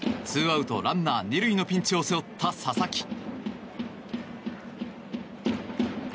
２アウト、ランナー２塁のピンチを背負った佐々木。